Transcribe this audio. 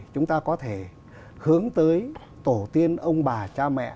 chúng ta có thể hướng tới tổ tiên ông bà cha mẹ